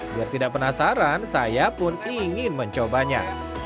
biar tidak penasaran saya pun ingin mencobanya